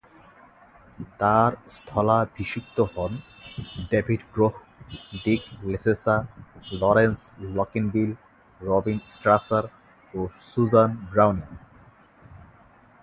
তার স্থলাভিষিক্ত হন David Groh, Dick Lesesa, Lawrence Lockinbill, Robin Strasser ও সুজান ব্রাউনিং।